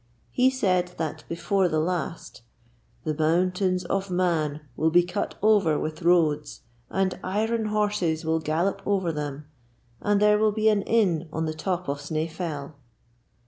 He said that before the last: 'The Mountains of Mann will be cut over with roads, and iron horses will gallop over them, and there will be an inn on the top of Snaefell.'